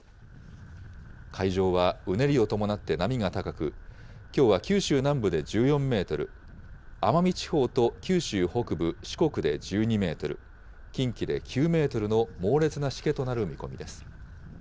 海上はうねりを伴って波が高く、きょうは九州南部で１４メートル、奄美地方と九州北部、四国で１２メートル、近畿で９メートルの猛烈なしけとなる見込みです。